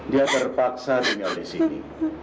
dia terpaksa menyalah disini